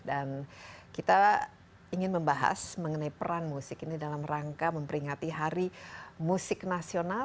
dan kita ingin membahas mengenai peran musik ini dalam rangka memperingati hari musik nasional